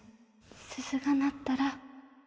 鈴が鳴ったら